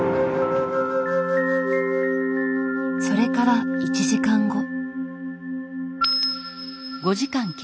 それから１時間後。